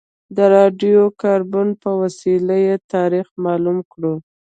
د راډیو کاربن په وسیله یې تاریخ معلوم کړو.